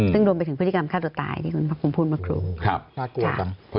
ซึ่งรวมไปถึงพฤติกรรมฆาตตัวตายที่คุณพระคุมพูดมากรู